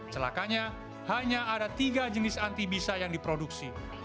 celakanya hanya ada tiga jenis anti bisa yang diproduksi